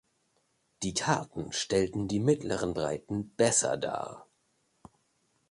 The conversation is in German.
Die Karten stellen die mittleren Breiten besser dar.